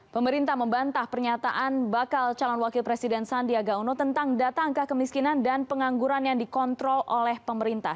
pemerintah membantah pernyataan bakal calon wakil presiden sandiaga uno tentang data angka kemiskinan dan pengangguran yang dikontrol oleh pemerintah